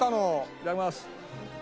いただきます。